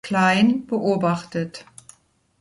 Kline, beobachtet.